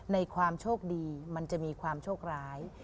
ในความโชคดีมันจะมีความโชคร้าย